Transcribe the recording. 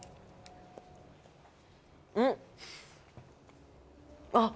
うん！あっ！